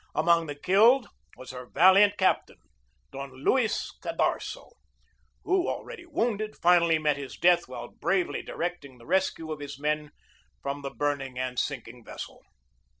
Among the killed was her valiant captain, Don Luis Cadarso, who, already wounded, finally met his death while bravely directing the rescue of his men from the burning and sinking vessel.